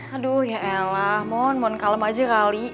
aduh ya elah mohon kalem aja kali